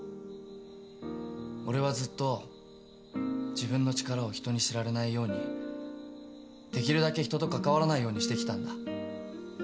俺はずっと自分の力を人に知られないようにできるだけ人と関わらないようにしてきたんだ。